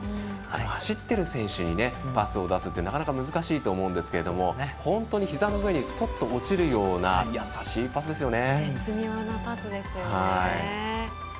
走ってる選手にパスを出すってなかなか難しいと思うんですが本当にひざの上にすとっと落ちるような優しいパスですよね。